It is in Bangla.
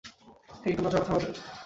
হেই, তোমরা ঝগড়া থামাবে?